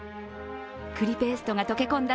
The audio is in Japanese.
栗ペーストが溶け込んだ